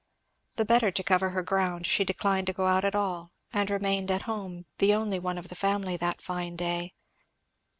The better to cover her ground, she declined to go out at all, and remained at home the only one of the family that fine day.